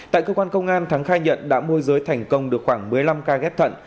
tại cơ quan công an thắng khai nhận đã môi giới thành công được khoảng một mươi năm ca ghép thận